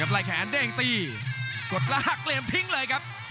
ไล่แขนเด้งตีกดลากเหลี่ยมทิ้งเลยครับ